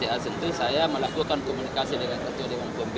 ya tentu saya melakukan komunikasi dengan ketua umum